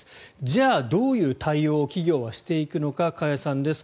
じゃあどういう対応を企業はしていくのか加谷さんです。